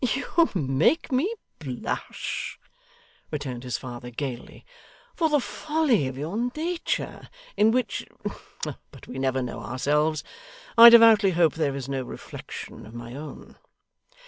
'You make me blush,' returned his father gaily, 'for the folly of your nature, in which but we never know ourselves I devoutly hope there is no reflection of my own.